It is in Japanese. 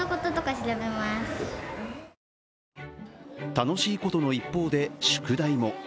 楽しいことの一方で宿題も。